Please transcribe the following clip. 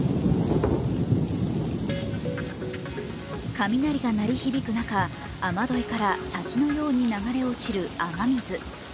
雷が鳴り響く中、雨どいから滝のように流れ落ちる雨水。